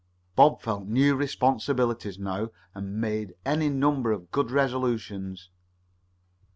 Bob felt new responsibilities now, and made any number of good resolutions.